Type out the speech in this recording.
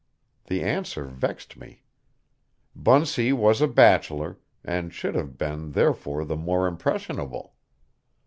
The answer vexed me. Bunsey was a bachelor, and should have been therefore the more impressionable.